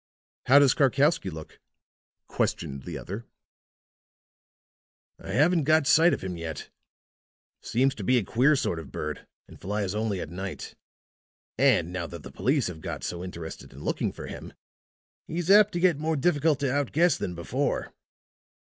"How does Karkowsky look?" questioned the other. "I haven't got sight of him yet. Seems to be a queer sort of bird and flies only at night. And now that the police have got so interested in looking for him, he's apt to get more difficult to out guess than before."